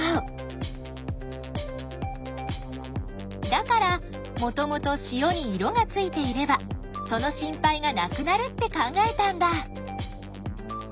だからもともと塩に色がついていればその心配がなくなるって考えたんだ。